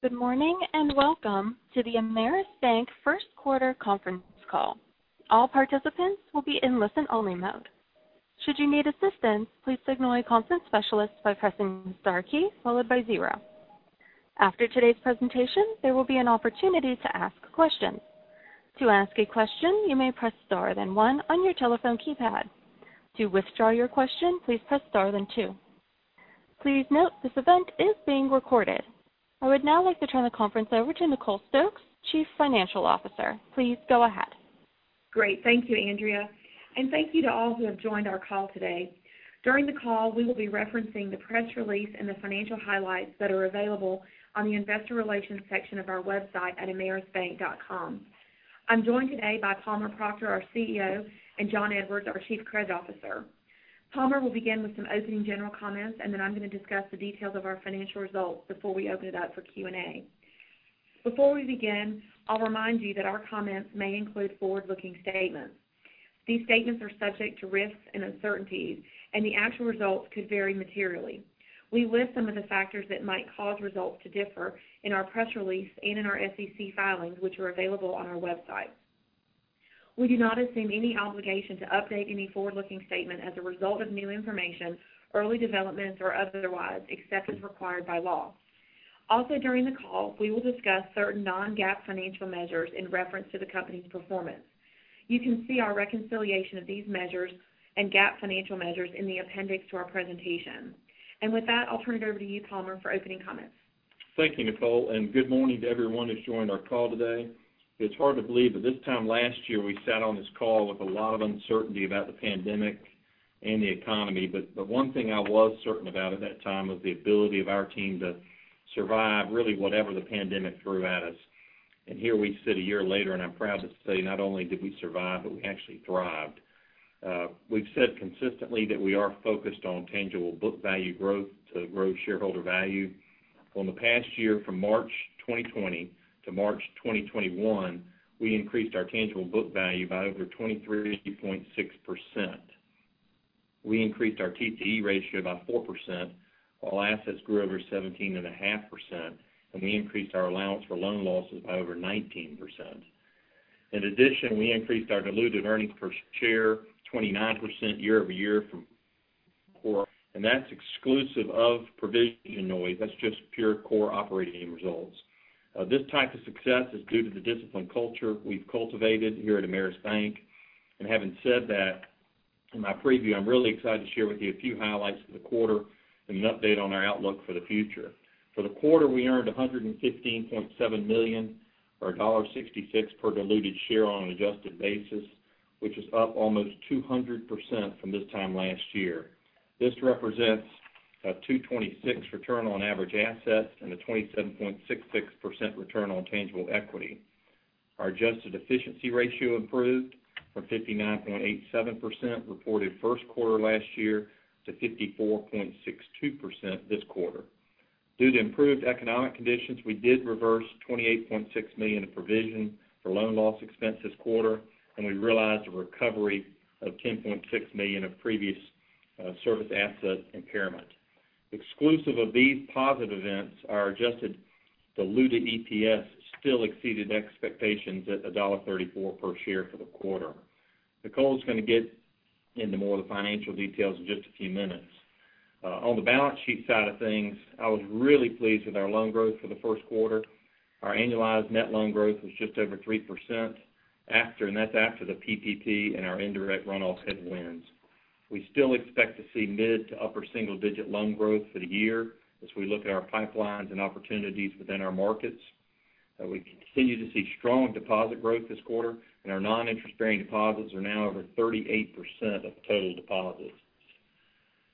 Good morning, welcome to the Ameris Bank first quarter conference call. All participants will be in listen only mode. Should you need assistance, please signal a conference specialist by pressing star key followed by zero. After today's presentation, there will be an opportunity to ask questions. To ask a question, you may press star, then one on your telephone keypad. To withdraw your question, please press star, then two. Please note, this event is being recorded. I would now like to turn the conference over to Nicole Stokes, Chief Financial Officer. Please go ahead. Great. Thank you, Andrea, and thank you to all who have joined our call today. During the call, we will be referencing the press release and the financial highlights that are available on the investor relations section of our website at amerisbank.com. I'm joined today by Palmer Proctor, our CEO, and Jon S. Edwards, our Chief Credit Officer. Palmer will begin with some opening general comments, and then I'm going to discuss the details of our financial results before we open it up for Q&A. Before we begin, I'll remind you that our comments may include forward-looking statements. These statements are subject to risks and uncertainties, and the actual results could vary materially. We list some of the factors that might cause results to differ in our press release and in our SEC filings, which are available on our website. We do not assume any obligation to update any forward-looking statement as a result of new information, early developments, or otherwise, except as required by law. During the call, we will discuss certain non-GAAP financial measures in reference to the company's performance. You can see our reconciliation of these measures and GAAP financial measures in the appendix to our presentation. With that, I'll turn it over to you, Palmer, for opening comments. Thank you, Nicole. Good morning to everyone who's joined our call today. It's hard to believe that this time last year, we sat on this call with a lot of uncertainty about the pandemic and the economy. The one thing I was certain about at that time was the ability of our team to survive, really, whatever the pandemic threw at us. Here we sit a year later, and I'm proud to say not only did we survive, but we actually thrived. We've said consistently that we are focused on tangible book value growth to grow shareholder value. Over the past year, from March 2020 to March 2021, we increased our tangible book value by over 23.6%. We increased our TCE ratio by 4%, while assets grew over 17.5%, and we increased our allowance for loan losses by over 19%. In addition, we increased our diluted earnings per share 29% year-over-year from core, and that's exclusive of provision noise. That's just pure core operating results. This type of success is due to the disciplined culture we've cultivated here at Ameris Bank. Having said that, in my preview, I'm really excited to share with you a few highlights of the quarter and an update on our outlook for the future. For the quarter, we earned $115.7 million or $1.66 per diluted share on an adjusted basis, which is up almost 200% from this time last year. This represents a 226 return on average assets and a 27.66% return on tangible equity. Our adjusted efficiency ratio improved from 59.87% reported first quarter last year to 54.62% this quarter. Due to improved economic conditions, we did reverse $28.6 million of provision for loan loss expense this quarter, and we realized a recovery of $10.6 million of previous service asset impairment. Exclusive of these positive events, our adjusted diluted EPS still exceeded expectations at $1.34 per share for the quarter. Nicole is going to get into more of the financial details in just a few minutes. On the balance sheet side of things, I was really pleased with our loan growth for the first quarter. Our annualized net loan growth was just over 3%, and that's after the PPP and our indirect runoff headwinds. We still expect to see mid to upper single-digit loan growth for the year as we look at our pipelines and opportunities within our markets. We continue to see strong deposit growth this quarter, and our non-interest-bearing deposits are now over 38% of total deposits.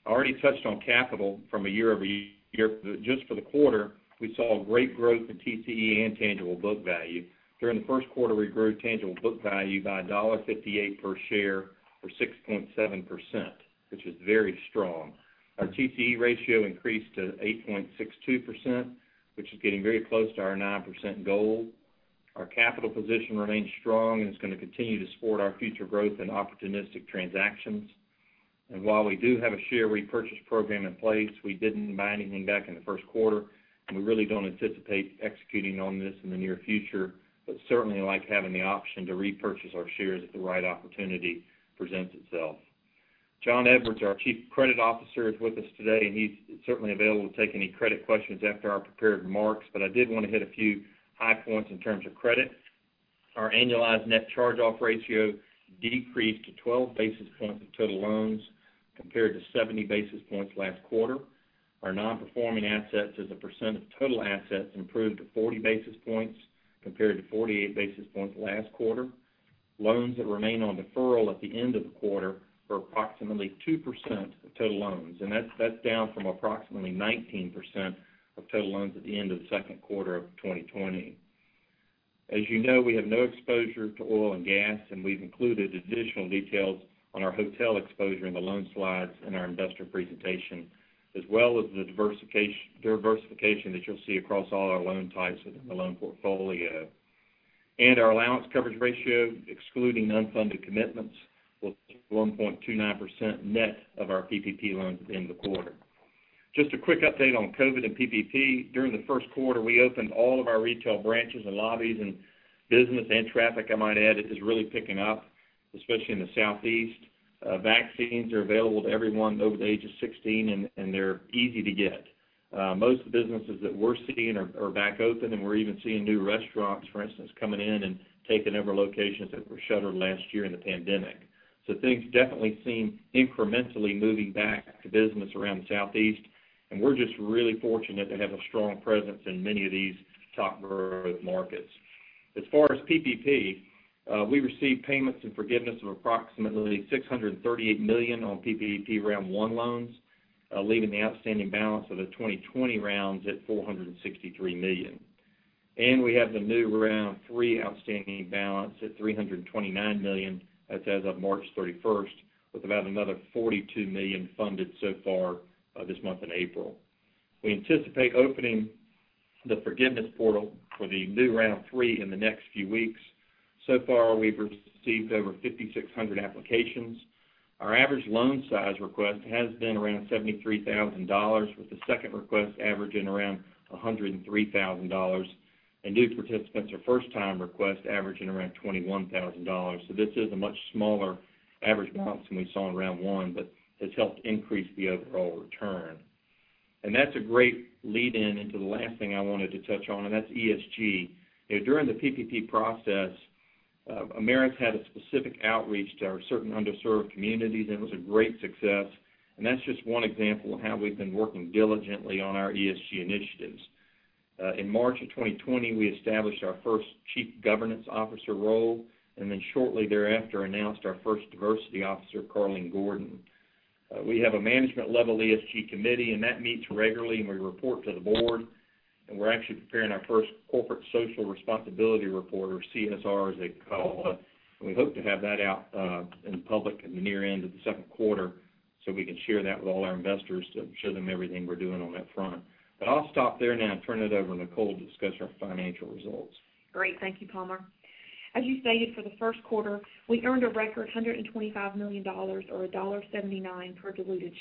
I already touched on capital from a year-over-year. Just for the quarter, we saw great growth in TCE and tangible book value. During the first quarter, we grew tangible book value by $1.58 per share or 6.7%, which is very strong. Our TCE ratio increased to 8.62%, which is getting very close to our 9% goal. Our capital position remains strong and is going to continue to support our future growth and opportunistic transactions. While we do have a share repurchase program in place, we didn't buy anything back in the first quarter, and we really don't anticipate executing on this in the near future, but certainly like having the option to repurchase our shares if the right opportunity presents itself. Jon S. Edwards, our Chief Credit Officer, is with us today, and he's certainly available to take any credit questions after our prepared remarks, but I did want to hit a few high points in terms of credit. Our annualized net charge-off ratio decreased to 12 basis points of total loans compared to 70 basis points last quarter. Our non-performing assets as a % of total assets improved to 40 basis points compared to 48 basis points last quarter. Loans that remain on deferral at the end of the quarter were approximately 2% of total loans, and that's down from approximately 19% of total loans at the end of the second quarter of 2020. As you know, we have no exposure to oil and gas, and we've included additional details on our hotel exposure in the loan slides in our investor presentation, as well as the diversification that you'll see across all our loan types within the loan portfolio. Our allowance coverage ratio, excluding unfunded commitments, was 1.29% net of our PPP loans in the quarter. Just a quick update on COVID and PPP. During the first quarter, we opened all of our retail branches and lobbies, and business and traffic, I might add, is really picking up, especially in the Southeast. Vaccines are available to everyone over the age of 16, and they're easy to get. Most businesses that we're seeing are back open, and we're even seeing new restaurants, for instance, coming in and taking over locations that were shuttered last year in the pandemic. Things definitely seem incrementally moving back to business around the Southeast, and we're just really fortunate to have a strong presence in many of these top growth markets. As far as PPP, we received payments and forgiveness of approximately $638 million on PPP Round One loans, leaving the outstanding balance of the 2020 rounds at $463 million. We have the new Round 3 outstanding balance at $329 million as of March 31st, with about another $42 million funded so far this month in April. We anticipate opening the forgiveness portal for the new Round 3 in the next few weeks. So far, we've received over 5,600 applications. Our average loan size request has been around $73,000, with the second request averaging around $103,000. New participants or first-time requests averaging around $21,000. This is a much smaller average balance than we saw in Round 1, but it's helped increase the overall return. That's a great lead-in into the last thing I wanted to touch on, and that's ESG. During the PPP process, Ameris had a specific outreach to our certain underserved communities, and it was a great success, and that's just one example of how we've been working diligently on our ESG initiatives. In March of 2020, we established our first chief governance officer role, and then shortly thereafter announced our first Diversity Officer, Karlene Gordon. We have a management-level ESG committee, and that meets regularly and we report to the board, and we're actually preparing our first Corporate Social Responsibility Report, or CSR, as they call it. We hope to have that out in public in the near end of the second quarter so we can share that with all our investors to show them everything we're doing on that front. I'll stop there now and turn it over to Nicole to discuss our financial results. Great. Thank you, Palmer. As you stated, for the first quarter, we earned a record $125 million, or $1.79 per diluted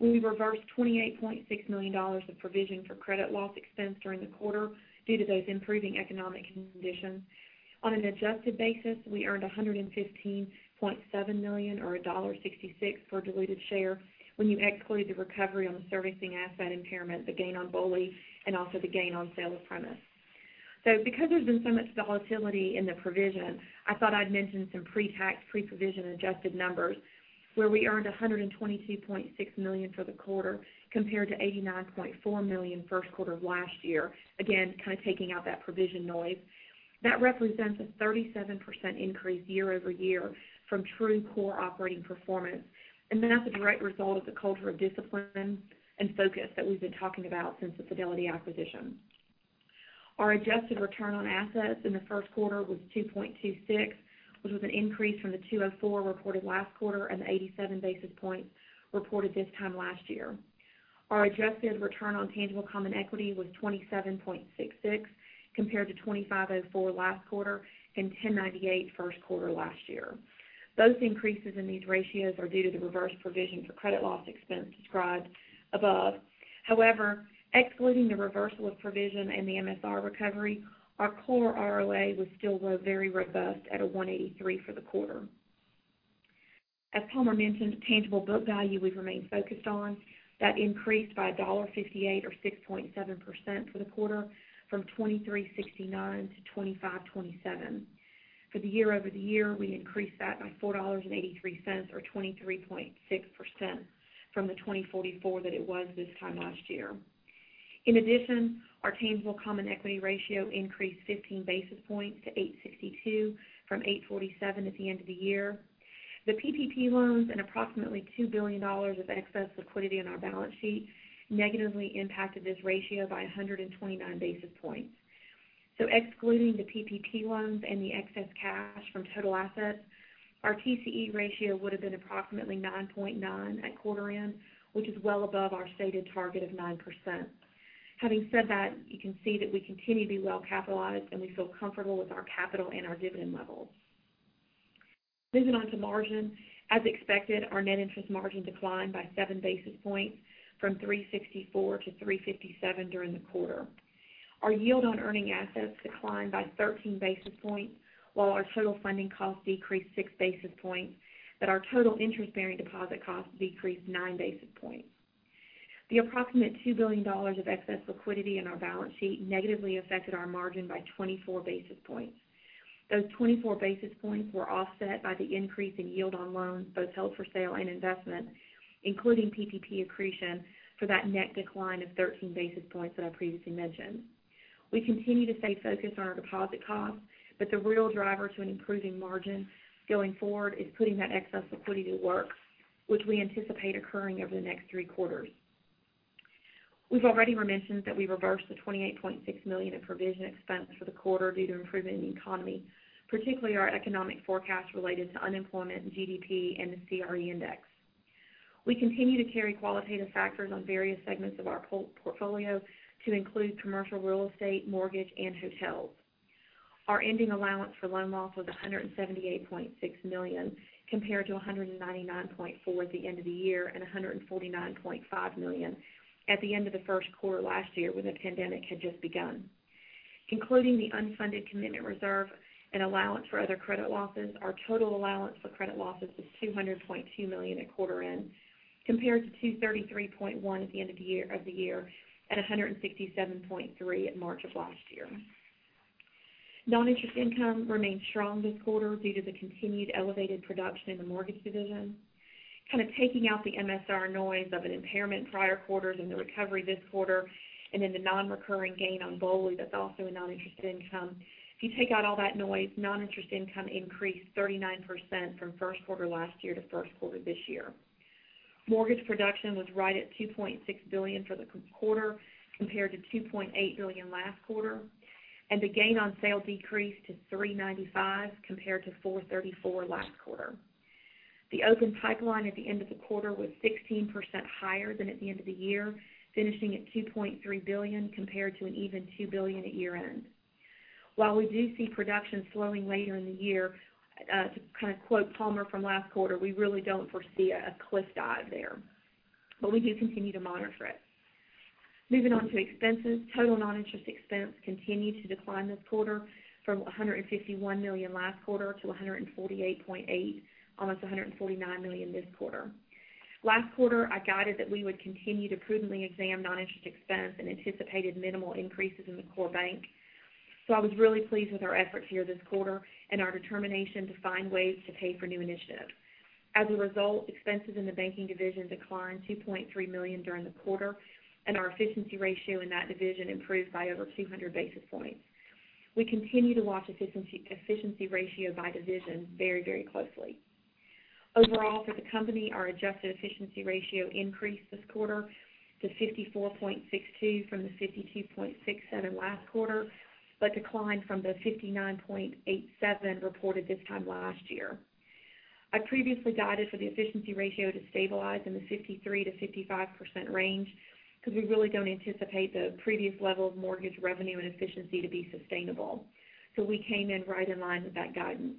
share. We reversed $28.6 million of provision for credit loss expense during the quarter due to those improving economic conditions. On an adjusted basis, we earned $115.7 million or $1.66 per diluted share when you exclude the recovery on the servicing asset impairment, the gain on BOLI, and also the gain on sale of premise. Because there's been so much volatility in the provision, I thought I'd mention some pre-tax, pre-provision adjusted numbers where we earned $122.6 million for the quarter compared to $89.4 million first quarter of last year, again, kind of taking out that provision noise. That represents a 37% increase year-over-year from true core operating performance, and that's a direct result of the culture of discipline and focus that we've been talking about since the Fidelity acquisition. Our adjusted return on assets in the first quarter was 2.26, which was an increase from the 2.04 reported last quarter and the 87 basis points reported this time last year. Our adjusted return on tangible common equity was 27.66 compared to 25.04 last quarter and 10.98 first quarter last year. Those increases in these ratios are due to the reverse provision for credit loss expense described above. However, excluding the reversal of provision and the MSR recovery, our core ROA was still very robust at a 1.83 for the quarter. As Palmer mentioned, tangible book value we've remained focused on. That increased by $1.58 or 6.7% for the quarter from $23.69 to $25.27. For the year-over-year, we increased that by $4.83 or 23.6% from the $20.44 that it was this time last year. In addition, our tangible common equity ratio increased 15 basis points to 862 from 847 at the end of the year. The PPP loans and approximately $2 billion of excess liquidity on our balance sheet negatively impacted this ratio by 129 basis points. Excluding the PPP loans and the excess cash from total assets, our TCE ratio would have been approximately 9.9 at quarter end, which is well above our stated target of 9%. Having said that, you can see that we continue to be well capitalized, and we feel comfortable with our capital and our dividend levels. Moving on to margin. As expected, our net interest margin declined by seven basis points from 364-357 during the quarter. Our yield on earning assets declined by 13 basis points while our total funding cost decreased six basis points. Our total interest-bearing deposit cost decreased nine basis points. The approximate $2 billion of excess liquidity in our balance sheet negatively affected our margin by 24 basis points. Those 24 basis points were offset by the increase in yield on loans, both held for sale and investment, including PPP accretion for that net decline of 13 basis points that I previously mentioned. We continue to stay focused on our deposit costs. The real driver to an improving margin going forward is putting that excess liquidity to work, which we anticipate occurring over the next three quarters. We've already mentioned that we reversed the $28.6 million in provision expense for the quarter due to improvement in the economy, particularly our economic forecast related to unemployment and GDP and the CRE index. We continue to carry qualitative factors on various segments of our portfolio to include commercial real estate, mortgage, and hotels. Our ending allowance for loan loss was $178.6 million, compared to $199.4 million at the end of the year, and $149.5 million at the end of the first quarter last year when the pandemic had just begun. Including the unfunded commitment reserve and allowance for other credit losses, our total allowance for credit losses was $200.2 million at quarter end, compared to $233.1 million at the end of the year, and $167.3 million at March of last year. Non-interest income remained strong this quarter due to the continued elevated production in the mortgage division. Kind of taking out the MSR noise of an impairment in prior quarters and the recovery this quarter, and then the non-recurring gain on BOLI that is also in non-interest income, if you take out all that noise, non-interest income increased 39% from first quarter last year to first quarter this year. Mortgage production was right at $2.6 billion for the quarter, compared to $2.8 billion last quarter, and the gain on sale decreased to $395 million compared to $434 million last quarter. The open pipeline at the end of the quarter was 16% higher than at the end of the year, finishing at $2.3 billion compared to an even $2 billion at year-end. While we do see production slowing later in the year, to kind of quote Palmer from last quarter, we really don't foresee a cliff dive there, but we do continue to monitor it. Moving on to expenses. Total non-interest expense continued to decline this quarter from $151 million last quarter to $148.8 million, almost $149 million this quarter. Last quarter, I guided that we would continue to prudently examine non-interest expense and anticipated minimal increases in the core bank. I was really pleased with our efforts here this quarter and our determination to find ways to pay for new initiatives. As a result, expenses in the banking division declined $2.3 million during the quarter, and our efficiency ratio in that division improved by over 200 basis points. We continue to watch efficiency ratio by division very closely. Overall for the company, our adjusted efficiency ratio increased this quarter to 54.62% from the 52.67% last quarter, declined from the 59.87% reported this time last year. I previously guided for the efficiency ratio to stabilize in the 53%-55% range because we really don't anticipate the previous level of mortgage revenue and efficiency to be sustainable. We came in right in line with that guidance.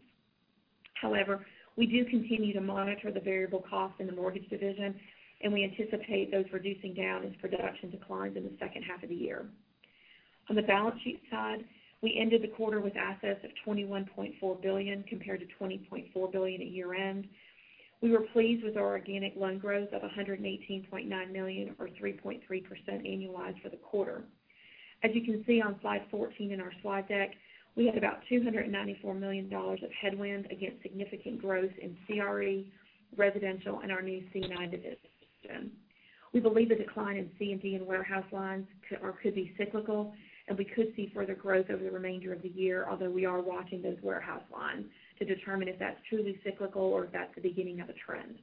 However, we do continue to monitor the variable cost in the mortgage division, and we anticipate those reducing down as production declines in the second half of the year. On the balance sheet side, we ended the quarter with assets of $21.4 billion compared to $20.4 billion at year-end. We were pleased with our organic loan growth of $118.9 million or 3.3% annualized for the quarter. As you can see on slide 14 in our slide deck, we had about $294 million of headwind against significant growth in CRE, residential, and our new C&I division. We believe the decline in C&D and warehouse lines could be cyclical, and we could see further growth over the remainder of the year, although we are watching those warehouse lines to determine if that's truly cyclical or if that's the beginning of a trend.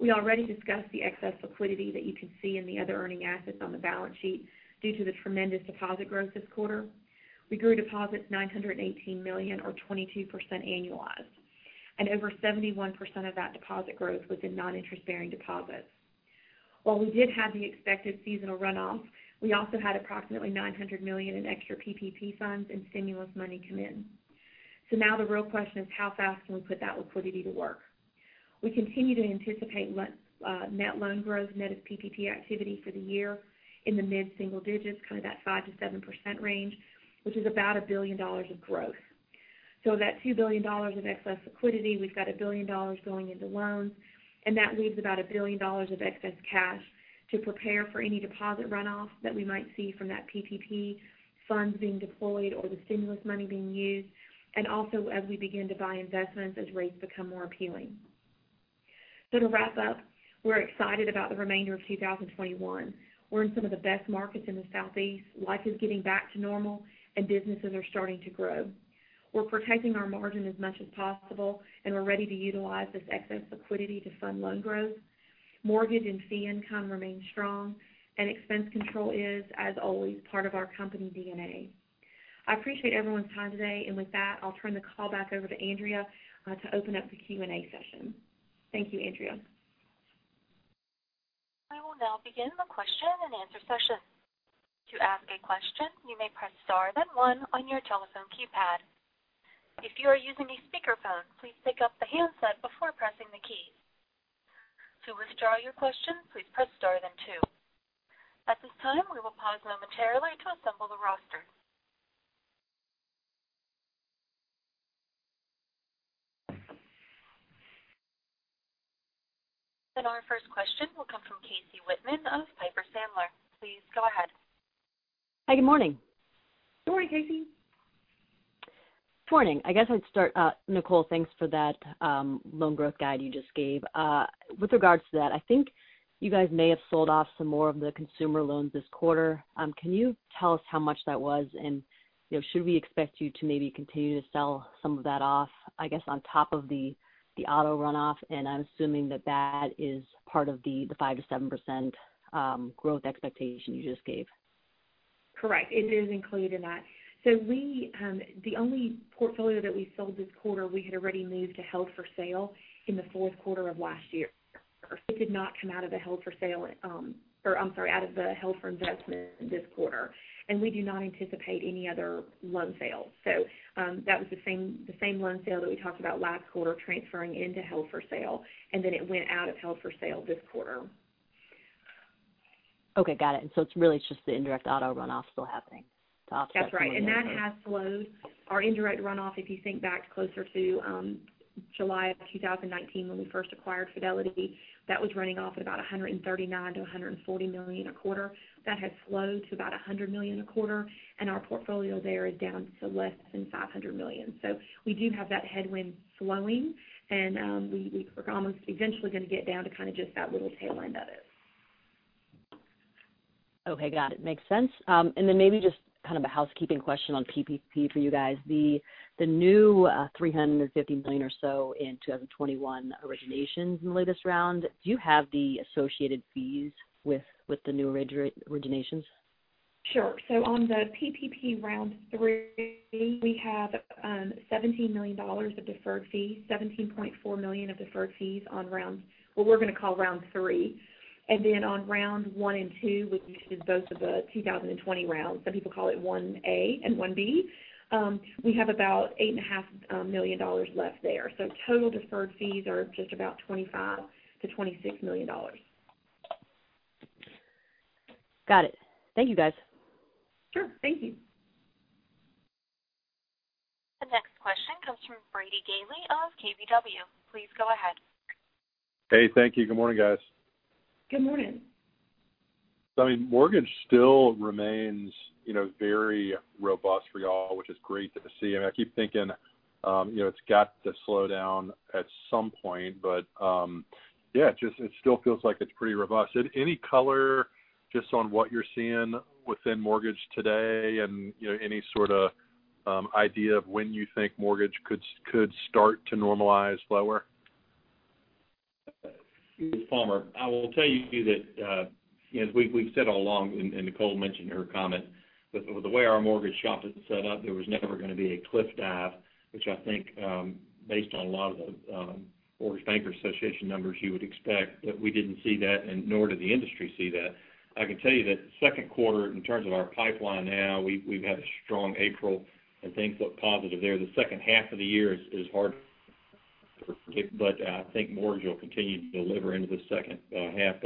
We already discussed the excess liquidity that you can see in the other earning assets on the balance sheet due to the tremendous deposit growth this quarter. We grew deposits $918 million or 22% annualized, and over 71% of that deposit growth was in non-interest bearing deposits. While we did have the expected seasonal runoff, we also had approximately $900 million in extra PPP funds and stimulus money come in. Now the real question is: how fast can we put that liquidity to work? We continue to anticipate net loan growth, net of PPP activity for the year in the mid-single digits, kind of that 5%-7% range, which is about $1 billion of growth. That $2 billion of excess liquidity, we've got $1 billion going into loans, and that leaves about $1 billion of excess cash to prepare for any deposit runoff that we might see from that PPP funds being deployed or the stimulus money being used, and also as we begin to buy investments as rates become more appealing. To wrap up, we're excited about the remainder of 2021. We're in some of the best markets in the Southeast. Life is getting back to normal, and businesses are starting to grow. We're protecting our margin as much as possible, and we're ready to utilize this excess liquidity to fund loan growth. Mortgage and fee income remain strong, and expense control is, as always, part of our company DNA. I appreciate everyone's time today, and with that, I'll turn the call back over to Andrea to open up the Q&A session. Thank you, Andrea. I will now begin the question and answer session. Then our first question will come from Casey Whitman of Piper Sandler. Please go ahead. Hi, good morning. Good morning, Casey. Morning. I guess I'd start, Nicole, thanks for that loan growth guide you just gave. With regards to that, I think you guys may have sold off some more of the consumer loans this quarter. Can you tell us how much that was? Should we expect you to maybe continue to sell some of that off, I guess, on top of the auto runoff? I'm assuming that that is part of the 5%-7% growth expectation you just gave. Correct. It is included in that. The only portfolio that we sold this quarter, we had already moved to held for sale in the fourth quarter of last year. It did not come out of the held for investment this quarter, and we do not anticipate any other loan sales. That was the same loan sale that we talked about last quarter transferring into held for sale, and then it went out of held for sale this quarter. Okay. Got it. Really, it's just the indirect auto runoff still happening. That's right. That has slowed our indirect runoff. If you think back closer to July of 2019, when we first acquired Fidelity, that was running off at about $139 million-$140 million a quarter. That has slowed to about $100 million a quarter, and our portfolio there is down to less than $500 million. We do have that headwind slowing, and we are almost eventually going to get down to kind of just that little tail end of it. Okay. Got it. Makes sense. Maybe just kind of a housekeeping question on PPP for you guys. The new $350 million or so in 2021 originations in the latest round, do you have the associated fees with the new originations? Sure. On the PPP round 3, we have $17 million of deferred fees, $17.4 million of deferred fees on what we're going to call round 3. On round 1 and 2, which is both of the 2020 rounds, some people call it 1A and 1B, we have about eight and a half million dollars left there. Total deferred fees are just about $25 million-$26 million. Got it. Thank you, guys. Sure. Thank you. The next question comes from Brady Gailey of KBW. Please go ahead. Hey, thank you. Good morning, guys. Good morning. Mortgage still remains very robust for y'all, which is great to see, and I keep thinking it's got to slow down at some point. Yeah, it still feels like it's pretty robust. Any color just on what you're seeing within mortgage today and any sort of idea of when you think mortgage could start to normalize lower? This is Palmer. I will tell you that as we've said all along, and Nicole mentioned in her comment, but the way our mortgage shop is set up, there was never going to be a cliff dive, which I think, based on a lot of the Mortgage Bankers Association numbers, you would expect. We didn't see that, and nor did the industry see that. I can tell you that second quarter, in terms of our pipeline now, we've had a strong April and things look positive there. The second half of the year is hard to forget, but I think mortgage will continue to deliver into the second half.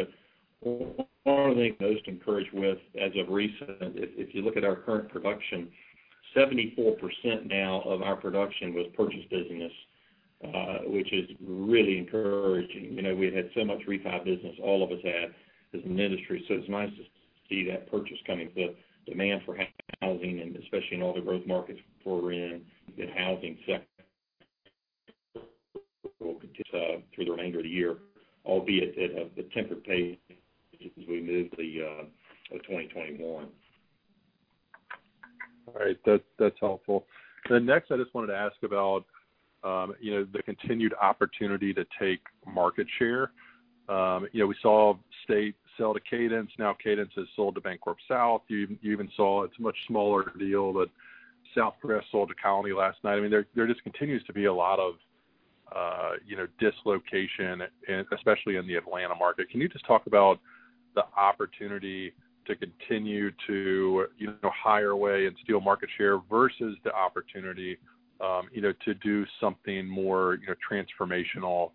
One thing I'm most encouraged with as of recent, if you look at our current production, 74% now of our production was purchase business, which is really encouraging. We had so much refi business, all of us had as an industry, so it's nice to see that purchase coming. The demand for housing and especially in all the growth markets we're in, the housing sector will continue through the remainder of the year, albeit at a tempered pace as we move to 2021. All right. That's helpful. Next, I just wanted to ask about the continued opportunity to take market share. We saw State Bank Financial sell to Cadence Bancorporation. Now Cadence Bancorporation has sold to BancorpSouth Bank. You even saw, it's a much smaller deal, but SouthCrest sold to Colony Bankcorp, Inc. last night. There just continues to be a lot of dislocation, especially in the Atlanta market. Can you just talk about the opportunity to continue to hire away and steal market share versus the opportunity to do something more transformational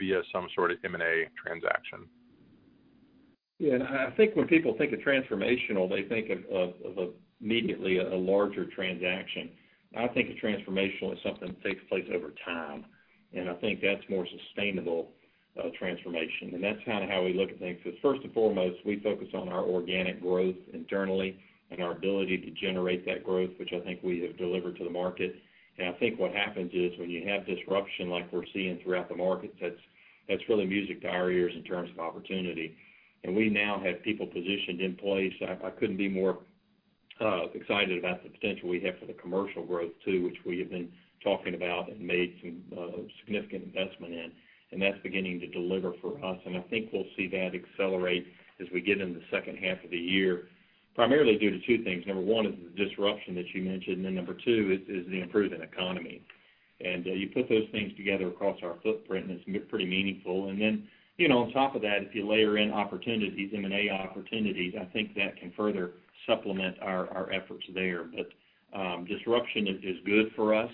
via some sort of M&A transaction? Yeah. I think when people think of transformational, they think of immediately a larger transaction. I think of transformational as something that takes place over time, and I think that's more sustainable transformation. That's kind of how we look at things, because first and foremost, we focus on our organic growth internally and our ability to generate that growth, which I think we have delivered to the market. I think what happens is, when you have disruption like we're seeing throughout the markets, that's really music to our ears in terms of opportunity. We now have people positioned in place. I couldn't be more excited about the potential we have for the commercial growth too, which we have been talking about and made some significant investment in, and that's beginning to deliver for us. I think we'll see that accelerate as we get into the second half of the year, primarily due to two things. Number one is the disruption that you mentioned, then number two is the improving economy. You put those things together across our footprint, and it's pretty meaningful. Then, on top of that, if you layer in opportunities, M&A opportunities, I think that can further supplement our efforts there. Disruption is good for us,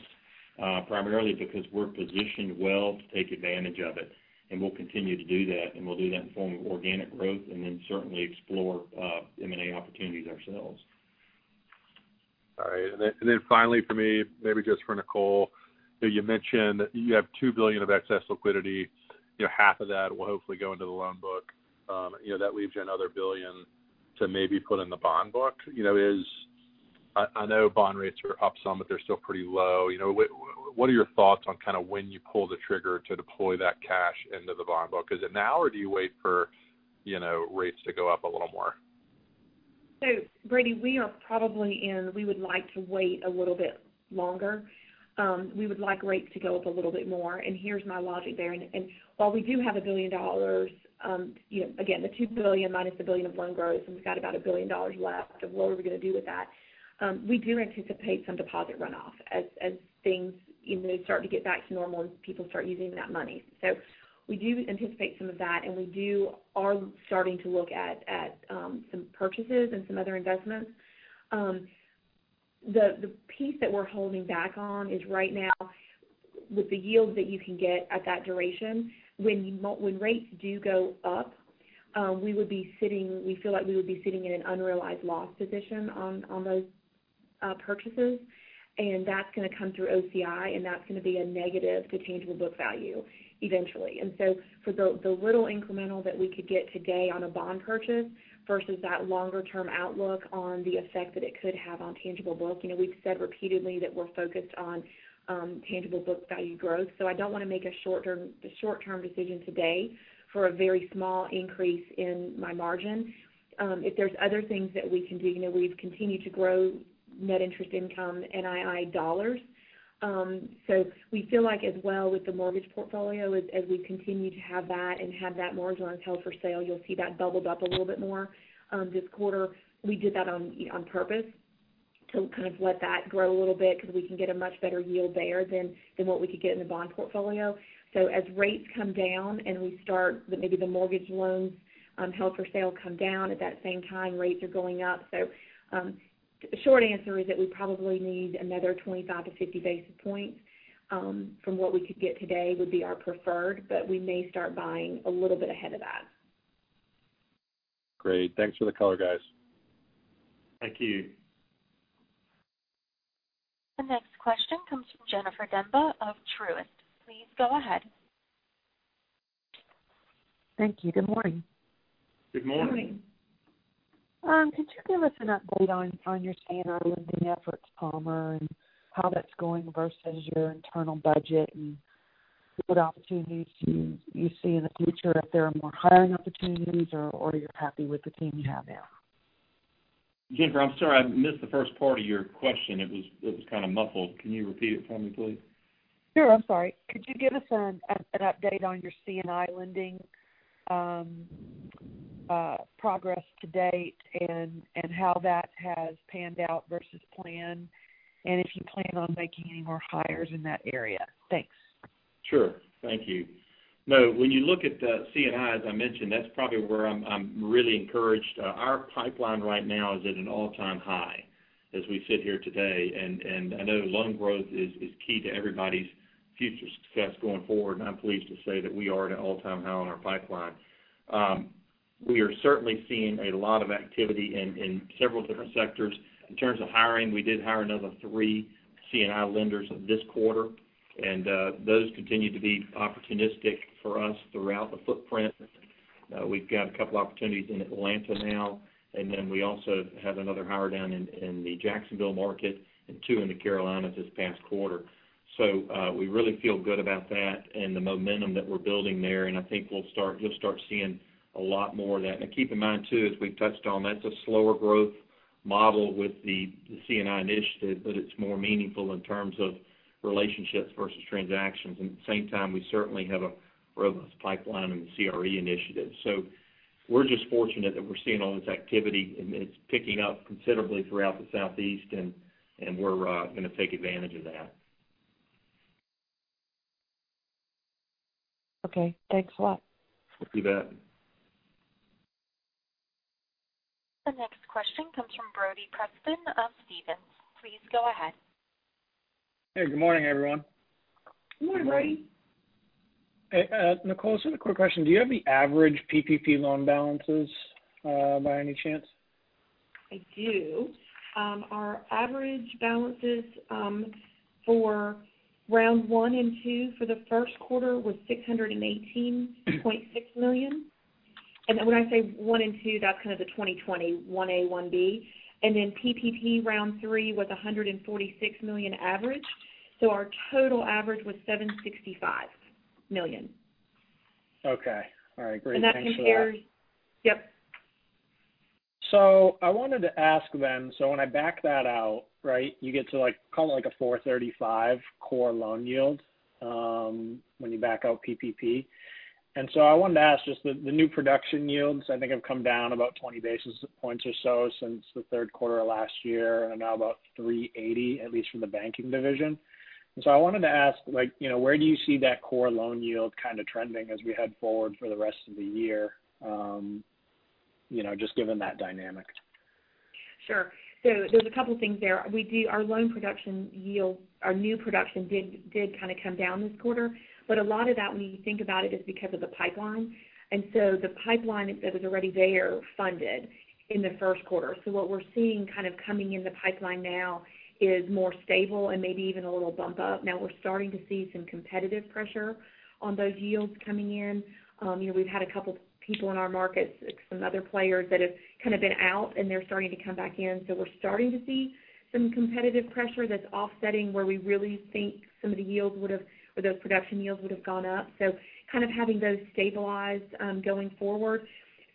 primarily because we're positioned well to take advantage of it. We'll continue to do that, and we'll do that in the form of organic growth and then certainly explore M&A opportunities ourselves. All right. Then finally for me, maybe just for Nicole, you mentioned you have $2 billion of excess liquidity. Half of that will hopefully go into the loan book. That leaves you another $1 billion to maybe put in the bond book. I know bond rates are up some, but they're still pretty low. What are your thoughts on kind of when you pull the trigger to deploy that cash into the bond book? Is it now, or do you wait for rates to go up a little more? Brady, we are probably in, we would like to wait a little bit longer. We would like rates to go up a little bit more, and here's my logic there. While we do have $1 billion, again, the $2 billion minus the $1 billion of loan growth, and we've got about $1 billion left of what are we going to do with that. We do anticipate some deposit runoff as things start to get back to normal and people start using that money. We do anticipate some of that, and we are starting to look at some purchases and some other investments. The piece that we're holding back on is right now with the yields that you can get at that duration, when rates do go up, we feel like we would be sitting in an unrealized loss position on those purchases. That's going to come through OCI, and that's going to be a negative to tangible book value eventually. For the little incremental that we could get today on a bond purchase versus that longer-term outlook on the effect that it could have on tangible book, we've said repeatedly that we're focused on tangible book value growth. I don't want to make a short-term decision today for a very small increase in my margin. If there's other things that we can do, we've continued to grow net interest income, NII dollars. We feel like as well with the mortgage portfolio, as we continue to have that and have that mortgage loan held for sale, you'll see that bubbled up a little bit more this quarter. We did that on purpose to kind of let that grow a little bit because we can get a much better yield there than what we could get in the bond portfolio. As rates come down and we start maybe the mortgage loans held for sale come down at that same time rates are going up. The short answer is that we probably need another 25 to 50 basis points from what we could get today would be our preferred, but we may start buying a little bit ahead of that. Great. Thanks for the color, guys. Thank you. The next question comes from Jennifer Demba of Truist. Please go ahead. Thank you. Good morning. Good morning. Good morning. Could you give us an update on your C&I lending efforts, Palmer, and how that's going versus your internal budget, and what opportunities you see in the future, if there are more hiring opportunities or you're happy with the team you have now? Jennifer, I'm sorry, I missed the first part of your question. It was kind of muffled. Can you repeat it for me, please? Sure, I'm sorry. Could you give us an update on your C&I lending progress to date and how that has panned out versus plan, and if you plan on making any more hires in that area? Thanks. Sure. Thank you. No, when you look at the C&I, as I mentioned, that's probably where I'm really encouraged. Our pipeline right now is at an all-time high as we sit here today. I know loan growth is key to everybody's future success going forward, and I'm pleased to say that we are at an all-time high on our pipeline. We are certainly seeing a lot of activity in several different sectors. In terms of hiring, we did hire another three C&I lenders this quarter, and those continue to be opportunistic for us throughout the footprint. We've got a couple opportunities in Atlanta now, and then we also have another hire down in the Jacksonville market and two in the Carolinas this past quarter. We really feel good about that and the momentum that we're building there, and I think we'll start seeing a lot more of that. Keep in mind too, as we've touched on, that's a slower growth model with the C&I initiative, but it's more meaningful in terms of relationships versus transactions. At the same time, we certainly have a robust pipeline in the CRE initiative. We're just fortunate that we're seeing all this activity, and it's picking up considerably throughout the Southeast, and we're going to take advantage of that. Okay. Thanks a lot. You bet. The next question comes from Brody Preston of Stephens. Please go ahead. Hey, good morning, everyone. Good morning. Good morning. Hey, Nicole, send a quick question. Do you have the average PPP loan balances, by any chance? I do. Our average balances for round 1 and 2 for the first quarter was $618.6 million. When I say 1 and 2, that's kind of the 2020A, 1B. Then PPP round 3 was $146 million average. Our total average was $765 million. Okay. All right, great. Thanks for that. Yep. I wanted to ask then, when I back that out, you get to like, call it like a 435 core loan yield, when you back out PPP. I wanted to ask just the new production yields, I think, have come down about 20 basis points or so since the third quarter of last year and now about 380, at least from the banking division. I wanted to ask where do you see that core loan yield kind of trending as we head forward for the rest of the year, just given that dynamic? Sure. There's a couple things there. Our loan production yield, our new production did kind of come down this quarter. A lot of that, when you think about it, is because of the pipeline. The pipeline that was already there funded in the first quarter. What we're seeing kind of coming in the pipeline now is more stable and maybe even a little bump up. Now we're starting to see some competitive pressure on those yields coming in. We've had a couple people in our markets, some other players that have kind of been out, and they're starting to come back in. We're starting to see some competitive pressure that's offsetting where we really think some of the yields would have, or those production yields would have gone up. Kind of having those stabilized going forward.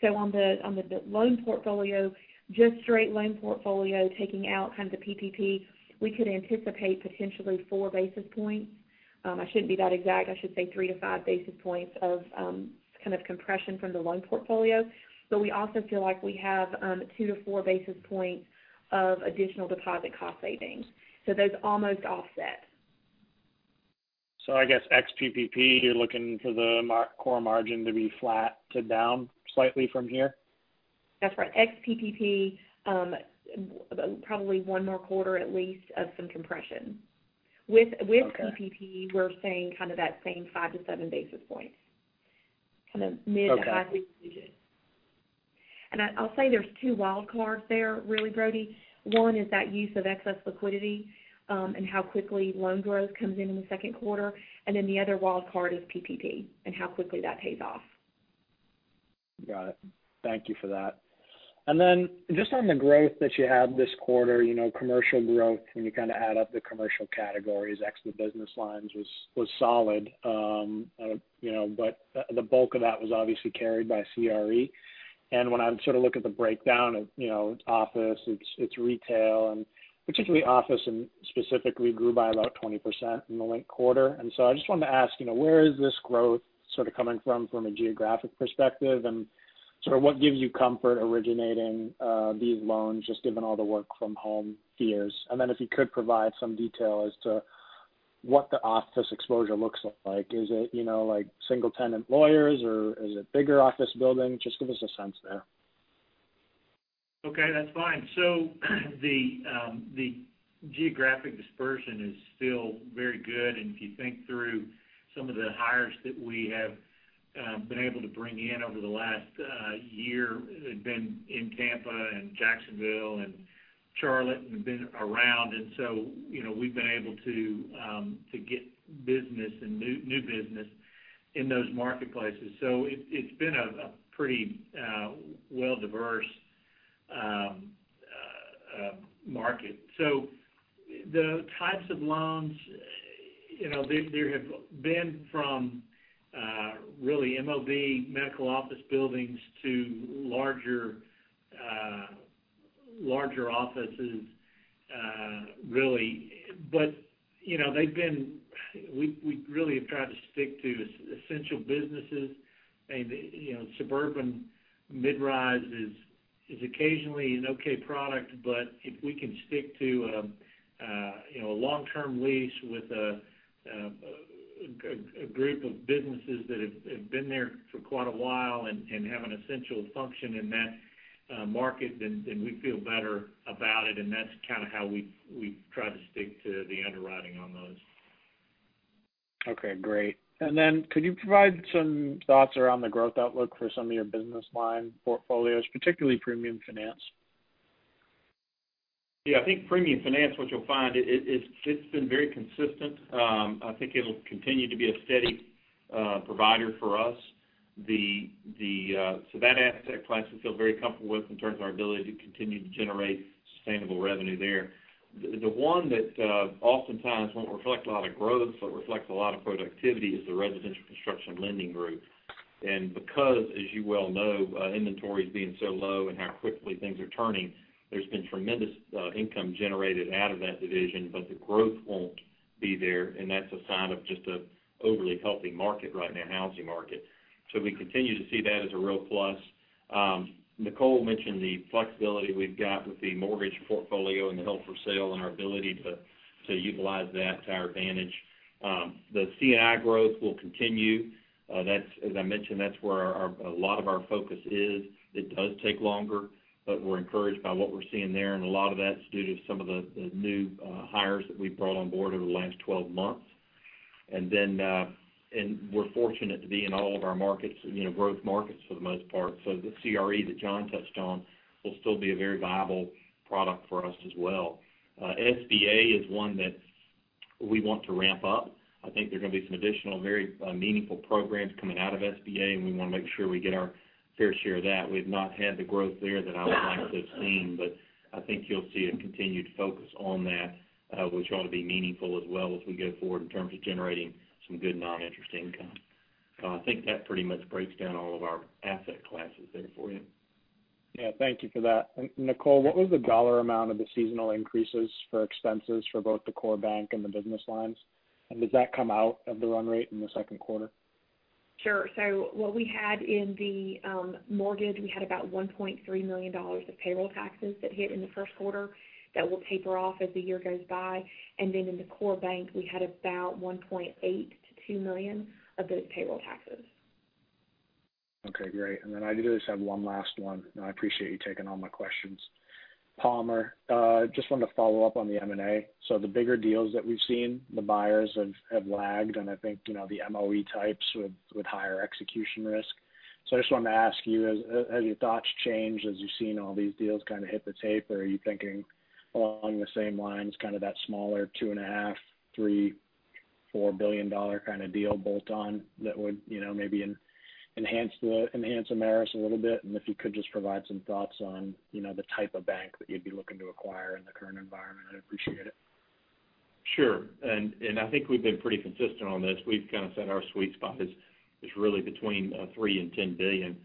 On the loan portfolio, just straight loan portfolio, taking out kind of the PPP, we could anticipate potentially four basis points. I shouldn't be that exact. I should say three to five basis points of kind of compression from the loan portfolio. We also feel like we have two to four basis points of additional deposit cost savings. Those almost offset. I guess ex PPP, you're looking for the core margin to be flat to down slightly from here? That's right. Ex PPP, probably one more quarter at least of some compression. Okay. With PPP, we're saying kind of that same 5-7 basis points. Okay single digits. I'll say there's two wild cards there really, Brody. One is that use of excess liquidity, and how quickly loan growth comes in in the second quarter. Then the other wild card is PPP and how quickly that pays off. Got it. Thank you for that. Just on the growth that you had this quarter, commercial growth, when you kind of add up the commercial categories, ex the business lines, was solid. The bulk of that was obviously carried by CRE. When I sort of look at the breakdown, it's office, it's retail, and particularly office and specifically grew by about 20% in the linked quarter. I just wanted to ask, where is this growth sort of coming from a geographic perspective? Sort of what gives you comfort originating these loans, just given all the work from home fears? If you could provide some detail as to what the office exposure looks like. Is it like single-tenant lawyers, or is it bigger office buildings? Just give us a sense there. Okay, that's fine. The geographic dispersion is still very good. If you think through some of the hires that we have been able to bring in over the last year, have been in Tampa and Jacksonville and Charlotte and have been around. We've been able to get business and new business in those marketplaces. It's been a pretty well-diverse market. The types of loans, there have been from really MOB, medical office buildings, to larger offices, really. We really have tried to stick to essential businesses. Suburban mid-rise is occasionally an okay product. If we can stick to a long-term lease with a group of businesses that have been there for quite a while and have an essential function in that market, then we feel better about it, and that's kind of how we try to stick to the underwriting on those. Okay, great. Then could you provide some thoughts around the growth outlook for some of your business line portfolios, particularly premium finance? Yeah, I think premium finance, what you'll find, it's been very consistent. I think it'll continue to be a steady provider for us. That asset class we feel very comfortable with in terms of our ability to continue to generate sustainable revenue there. The one that oftentimes won't reflect a lot of growth but reflects a lot of productivity is the residential construction lending group. Because, as you well know, inventories being so low and how quickly things are turning, there's been tremendous income generated out of that division, but the growth won't be there, and that's a sign of just an overly healthy market right now, housing market. We continue to see that as a real plus. Nicole mentioned the flexibility we've got with the mortgage portfolio and the held for sale and our ability to utilize that to our advantage. The C&I growth will continue. As I mentioned, that's where a lot of our focus is. It does take longer, but we're encouraged by what we're seeing there, and a lot of that's due to some of the new hires that we've brought on board over the last 12 months. We're fortunate to be in all of our markets, growth markets for the most part. The CRE that Jon touched on will still be a very viable product for us as well. SBA is one that we want to ramp up. I think there are going to be some additional very meaningful programs coming out of SBA, and we want to make sure we get our fair share of that. We've not had the growth there that I would like to have seen. I think you'll see a continued focus on that, which ought to be meaningful as well as we go forward in terms of generating some good non-interest income. I think that pretty much breaks down all of our asset classes there for you. Yeah, thank you for that. Nicole, what was the dollar amount of the seasonal increases for expenses for both the core bank and the business lines? Does that come out of the run rate in the second quarter? Sure. What we had in the mortgage, we had about $1.3 million of payroll taxes that hit in the first quarter that will taper off as the year goes by. Then in the core bank, we had about $1.8 million-$2 million of those payroll taxes. Okay, great. I just have one last one, and I appreciate you taking all my questions. Palmer, just wanted to follow up on the M&A. The bigger deals that we've seen, the buyers have lagged, and I think the MOE types with higher execution risk. I just wanted to ask you, have your thoughts changed as you've seen all these deals kind of hit the tape, or are you thinking along the same lines, kind of that smaller two and a half, three, $4 billion kind of deal bolt on that would maybe enhance Ameris a little bit? If you could just provide some thoughts on the type of bank that you'd be looking to acquire in the current environment, I'd appreciate it. Sure. I think we've been pretty consistent on this. We've kind of said our sweet spot is really between $3 billion and $10 billion.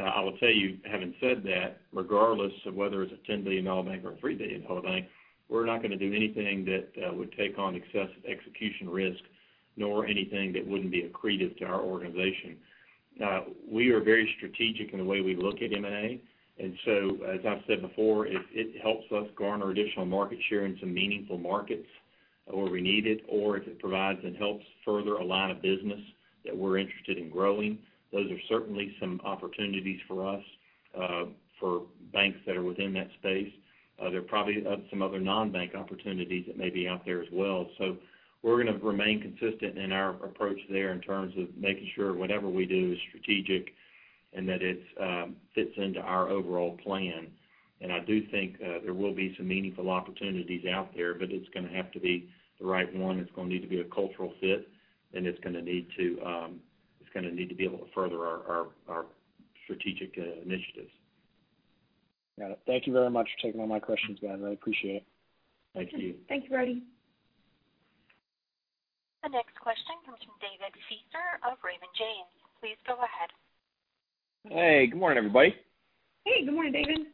I will say, having said that, regardless of whether it's a $10 billion bank or a $3 billion bank, we're not going to do anything that would take on excessive execution risk nor anything that wouldn't be accretive to our organization. We are very strategic in the way we look at M&A. As I've said before, it helps us garner additional market share in some meaningful markets where we need it, or if it provides and helps further a line of business that we're interested in growing. Those are certainly some opportunities for us for banks that are within that space. There are probably some other non-bank opportunities that may be out there as well. We're going to remain consistent in our approach there in terms of making sure whatever we do is strategic and that it fits into our overall plan. I do think there will be some meaningful opportunities out there, but it's going to have to be the right one. It's going to need to be a cultural fit, and it's going to need to be able to further our strategic initiatives. Got it. Thank you very much for taking all my questions, guys. I appreciate it. Thank you. Thank you, Brody. The next question comes from Please go ahead. Hey, good morning, everybody. Hey, good morning, David.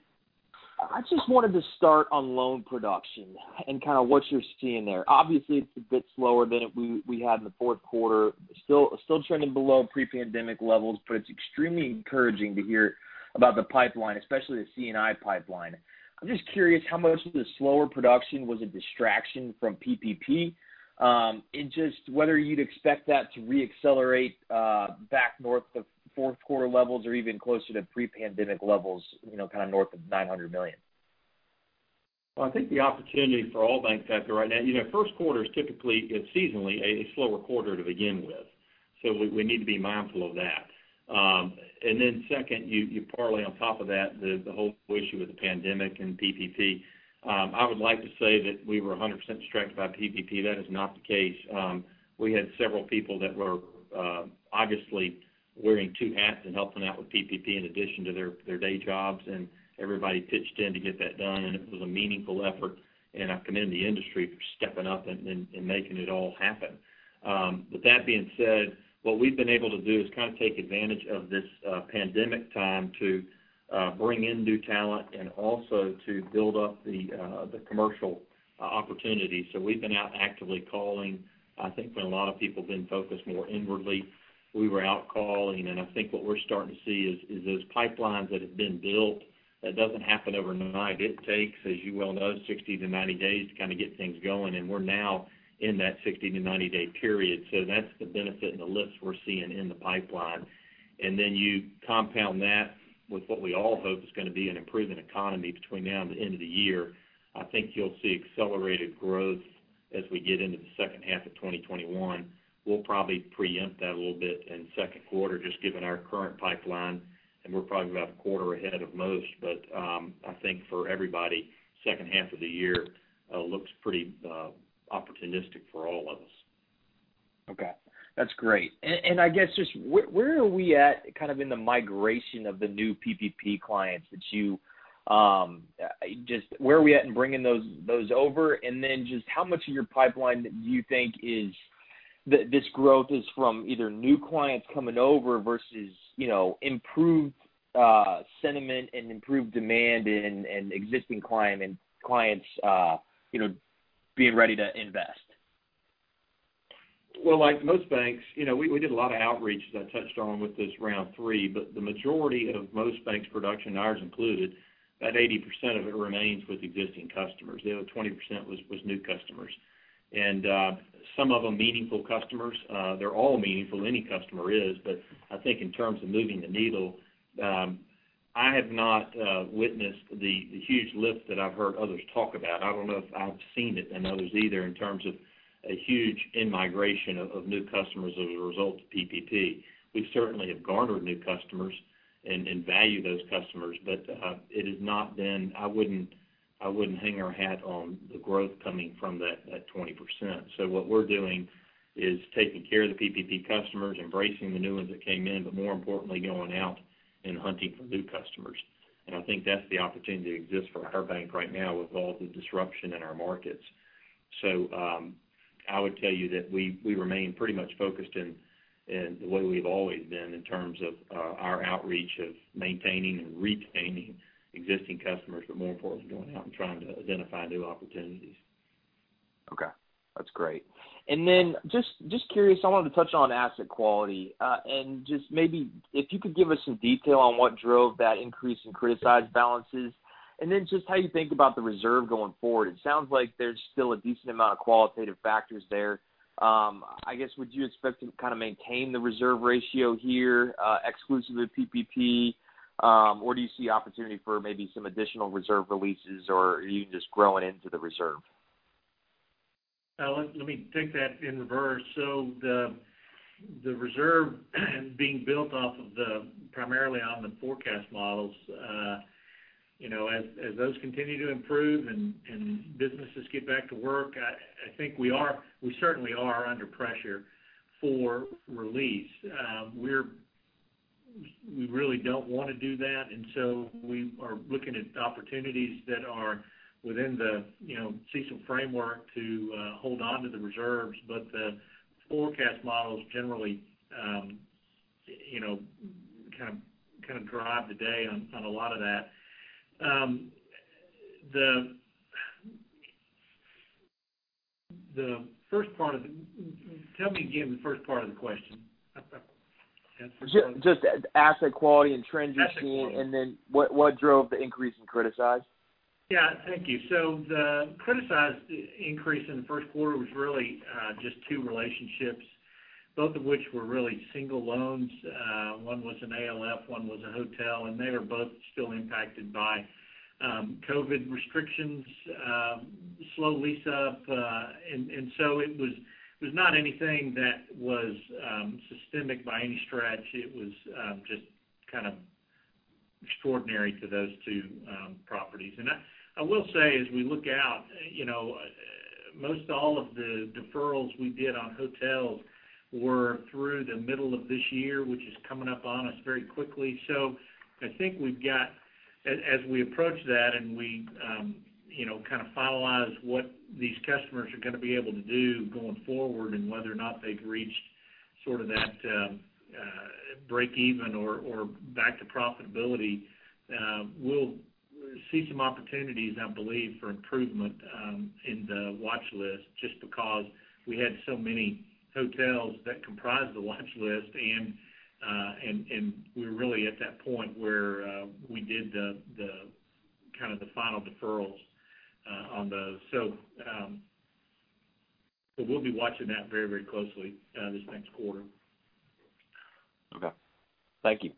I just wanted to start on loan production and what you're seeing there. Obviously, it's a bit slower than we had in the fourth quarter. Still trending below pre-pandemic levels, but it's extremely encouraging to hear about the pipeline, especially the C&I pipeline. I'm just curious how much of the slower production was a distraction from PPP, and just whether you'd expect that to re-accelerate back north of fourth quarter levels or even closer to pre-pandemic levels, kind of north of $900 million. Well, I think the opportunity for all banks out there right now-- first quarter is typically, seasonally, a slower quarter to begin with. We need to be mindful of that. Then second, you parlay on top of that the whole issue with the pandemic and PPP. I would like to say that we were 100% distracted by PPP. That is not the case. We had several people that were obviously wearing two hats and helping out with PPP in addition to their day jobs, and everybody pitched in to get that done, and it was a meaningful effort, and I commend the industry for stepping up and making it all happen. With that being said, what we've been able to do is take advantage of this pandemic time to bring in new talent and also to build up the commercial opportunities. We've been out actively calling. I think when a lot of people have been focused more inwardly, we were out calling, and I think what we're starting to see is those pipelines that have been built, that doesn't happen overnight. It takes, as you well know, 60-90 days to kind of get things going, and we're now in that 60- to 90-day period. You compound that with what we all hope is going to be an improving economy between now and the end of the year. I think you'll see accelerated growth as we get into the second half of 2021. We'll probably preempt that a little bit in the second quarter just given our current pipeline, and we're probably about a quarter ahead of most. I think for everybody, the second half of the year looks pretty opportunistic for all of us. Okay, that's great. I guess, just where are we at in the migration of the new PPP clients? Just where are we at in bringing those over? Just how much of your pipeline do you think this growth is from either new clients coming over versus improved sentiment and improved demand and existing clients being ready to invest? Well, like most banks, we did a lot of outreach, as I touched on with this round 3. The majority of most banks' production, ours included, about 80% of it remains with existing customers. The other 20% was new customers. Some of them meaningful customers. They're all meaningful, any customer is. I think in terms of moving the needle, I have not witnessed the huge lift that I've heard others talk about. I don't know if I've seen it in others either in terms of a huge in-migration of new customers as a result of PPP. We certainly have garnered new customers and value those customers. I wouldn't hang our hat on the growth coming from that 20%. What we're doing is taking care of the PPP customers, embracing the new ones that came in, but more importantly, going out and hunting for new customers. I think that's the opportunity that exists for our bank right now with all the disruption in our markets. I would tell you that we remain pretty much focused in the way we've always been in terms of our outreach of maintaining and retaining existing customers, but more importantly, going out and trying to identify new opportunities. Okay, that's great. Then just curious, I wanted to touch on asset quality. Just maybe if you could give us some detail on what drove that increase in criticized balances, and then just how you think about the reserve going forward. It sounds like there's still a decent amount of qualitative factors there. I guess, would you expect to kind of maintain the reserve ratio here exclusive of PPP? Do you see opportunity for maybe some additional reserve releases, or are you just growing into the reserve? Let me take that in reverse. The reserve being built off of primarily on the forecast models. As those continue to improve and businesses get back to work, I think we certainly are under pressure for release. We really don't want to do that. We are looking at opportunities that are within the CECL framework to hold onto the reserves. The forecast models generally kind of drive the day on a lot of that. The first part of the Tell me again the first part of the question. Just asset quality and trends you're seeing. Asset quality What drove the increase in criticized? Yeah. Thank you. The criticized increase in the first quarter was really just two relationships, both of which were really single loans. One was an ALF, one was a hotel, and they are both still impacted by COVID restrictions, slow lease-up. And so it was not anything that was systemic by any stretch. It was just kind of extraordinary to those two properties. And I will say, as we look out, most all of the deferrals we did on hotels were through the middle of this year, which is coming up on us very quickly. I think we've got, as we approach that and we kind of finalize what these customers are going to be able to do going forward and whether or not they've reached sort of that break even or back to profitability we'll see some opportunities, I believe, for improvement in the watch list, just because we had so many hotels that comprised the watch list. We were really at that point where we did the final deferrals on those. We'll be watching that very closely this next quarter. Okay. Thank you.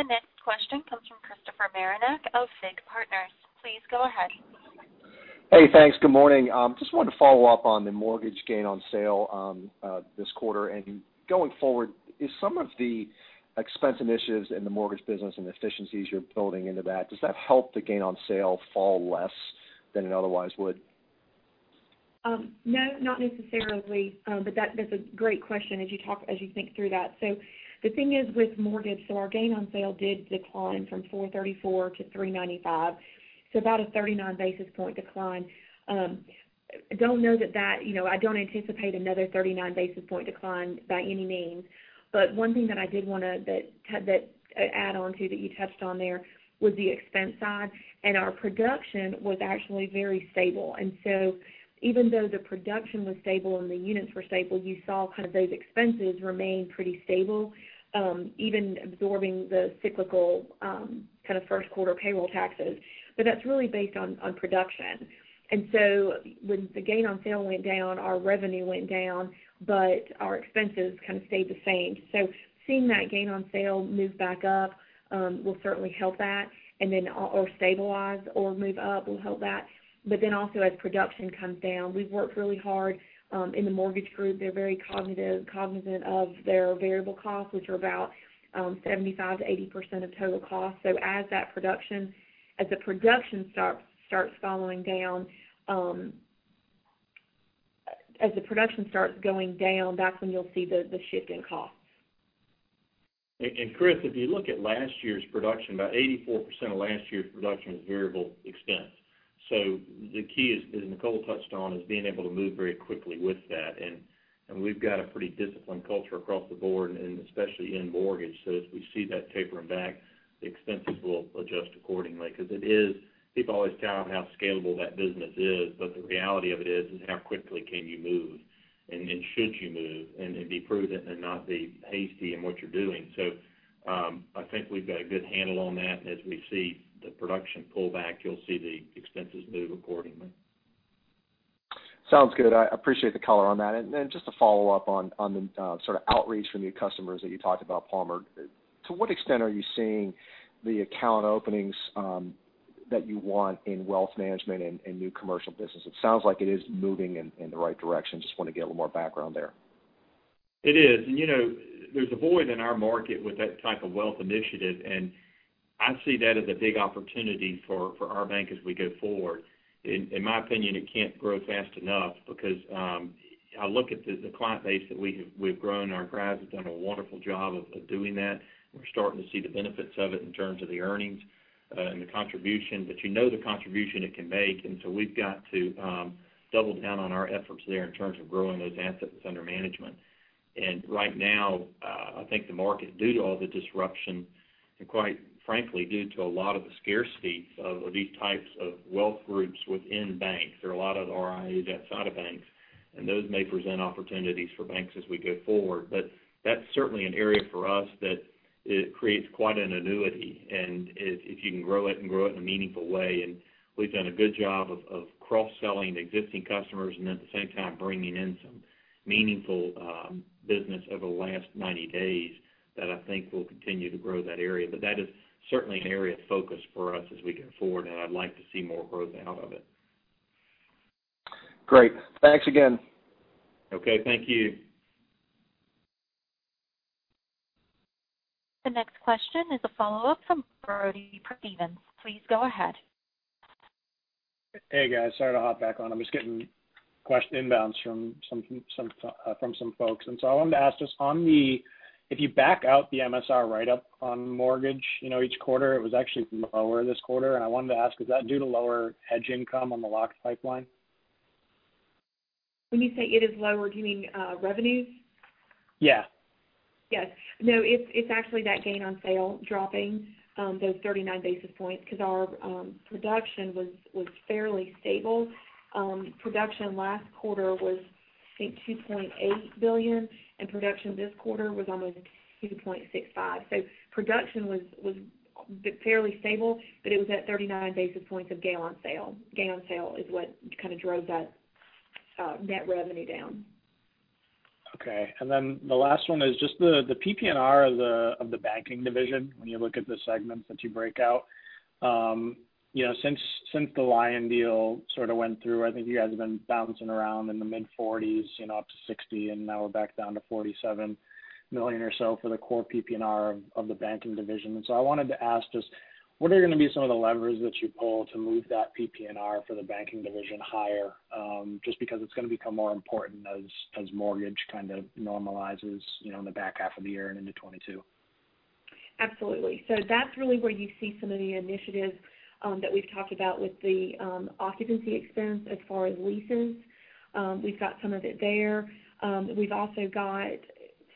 Thank you. The next question comes from Christopher Marinac of Janney Montgomery Scott. Please go ahead. Hey, thanks. Good morning. Just wanted to follow up on the mortgage gain on sale this quarter. Going forward, is some of the expense initiatives in the mortgage business and efficiencies you're building into that, does that help the gain on sale fall less than it otherwise would? No, not necessarily. That's a great question as you think through that. The thing is with mortgage, our gain on sale did decline from 434 to 395, about a 39 basis point decline. I don't anticipate another 39 basis point decline by any means. One thing that I did want to add onto that you touched on there was the expense side, and our production was actually very stable. Even though the production was stable and the units were stable, you saw kind of those expenses remain pretty stable, even absorbing the cyclical kind of first quarter payroll taxes. That's really based on production. When the gain on sale went down, our revenue went down, but our expenses kind of stayed the same. Seeing that gain on sale move back up will certainly help that. Stabilize or move up will help that. Also as production comes down, we've worked really hard in the mortgage group. They're very cognizant of their variable costs, which are about 75%-80% of total costs. As the production starts going down, that's when you'll see the shift in costs. Chris, if you look at last year's production, about 84% of last year's production was variable expense. The key, as Nicole touched on, is being able to move very quickly with that. We've got a pretty disciplined culture across the board, and especially in mortgage. As we see that tapering back, the expenses will adjust accordingly because people always tout how scalable that business is, the reality of it is how quickly can you move? Should you move and be prudent and not be hasty in what you're doing? I think we've got a good handle on that. As we see the production pull back, you'll see the expenses move accordingly. Sounds good. I appreciate the color on that. Then just to follow up on the sort of outreach from new customers that you talked about, Palmer. To what extent are you seeing the account openings that you want in wealth management and new commercial business? It sounds like it is moving in the right direction. Just want to get a little more background there. It is. There's a void in our market with that type of wealth initiative, and I see that as a big opportunity for our bank as we go forward. In my opinion, it can't grow fast enough because I look at the client base that we've grown. Our grads have done a wonderful job of doing that. We're starting to see the benefits of it in terms of the earnings and the contribution. You know the contribution it can make, and so we've got to double down on our efforts there in terms of growing those assets under management. Right now, I think the market, due to all the disruption, and quite frankly, due to a lot of the scarcity of these types of wealth groups within banks, there are a lot of RIAs outside of banks, and those may present opportunities for banks as we go forward. That's certainly an area for us that it creates quite an annuity, and if you can grow it in a meaningful way. We've done a good job of cross-selling existing customers and at the same time bringing in some meaningful business over the last 90 days that I think will continue to grow that area. That is certainly an area of focus for us as we go forward, and I'd like to see more growth out of it. Great. Thanks again. Okay. Thank you. The next question is a follow-up from Brody Preston. Please go ahead. Hey, guys. Sorry to hop back on. I'm just getting question inbounds from some folks. I wanted to ask, if you back out the MSR write-up on mortgage each quarter, it was actually lower this quarter. I wanted to ask, is that due to lower hedge income on the lock pipeline? When you say it is lower, do you mean revenues? Yeah. Yes. No, it's actually that gain on sale dropping those 39 basis points because our production was fairly stable. Production last quarter was, I think, $2.8 billion, and production this quarter was almost $2.65 billion. Production was fairly stable, but it was at 39 basis points of gain on sale. Gain on sale is what kind of drove that net revenue down. Okay. The last one is just the PPNR of the banking division when you look at the segments that you break out. Since the Lion deal sort of went through, I think you guys have been bouncing around in the mid-40s up to 60, now we're back down to $47 million or so for the core PPNR of the banking division. I wanted to ask just what are going to be some of the levers that you pull to move that PPNR for the banking division higher? Just because it's going to become more important as mortgage kind of normalizes in the back half of the year and into 2022. Absolutely. That's really where you see some of the initiatives that we've talked about with the occupancy expense as far as leases. We've got some of it there. We've also got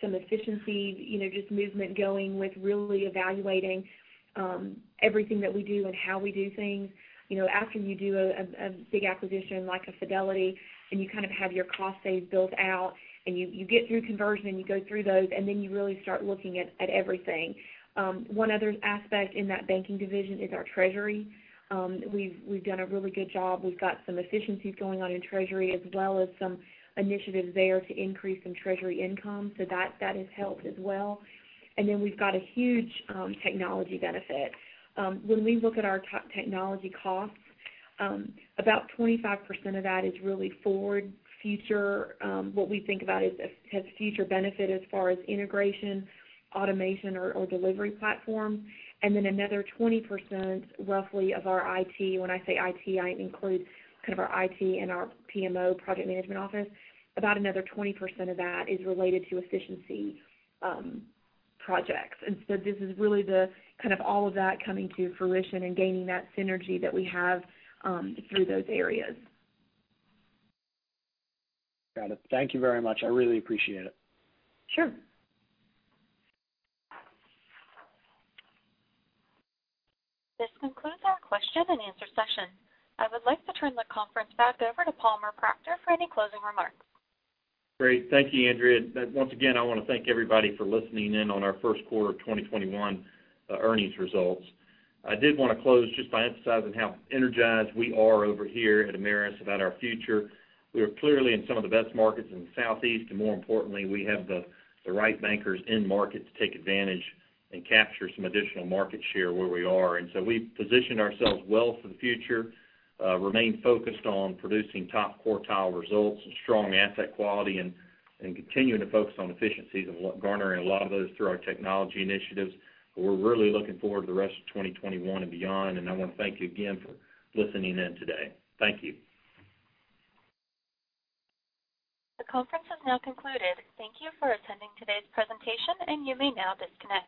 some efficiency, just movement going with really evaluating everything that we do and how we do things. After you do a big acquisition like a Fidelity and you kind of have your cost save built out, and you get through conversion, and you go through those, and then you really start looking at everything. One other aspect in that banking division is our treasury. We've done a really good job. We've got some efficiencies going on in treasury as well as some initiatives there to increase some treasury income. That has helped as well. Then we've got a huge technology benefit. When we look at our top technology costs, about 25% of that is really forward, future. What we think about has future benefit as far as integration, automation, or delivery platform. Another 20%, roughly, of our IT, when I say IT, I include kind of our IT and our PMO, project management office, about another 20% of that is related to efficiency projects. This is really the kind of all of that coming to fruition and gaining that synergy that we have through those areas. Got it. Thank you very much. I really appreciate it. Sure. This concludes our question and answer session. I would like to turn the conference back over to Palmer Proctor for any closing remarks. Great. Thank you, Andrea. Once again, I want to thank everybody for listening in on our first quarter of 2021 earnings results. I did want to close just by emphasizing how energized we are over here at Ameris about our future. We are clearly in some of the best markets in the Southeast. More importantly, we have the right bankers in market to take advantage and capture some additional market share where we are. We've positioned ourselves well for the future, remain focused on producing top quartile results and strong asset quality, and continuing to focus on efficiencies and garnering a lot of those through our technology initiatives. We're really looking forward to the rest of 2021 and beyond, and I want to thank you again for listening in today. Thank you. The conference has now concluded. Thank you for attending today's presentation, and you may now disconnect.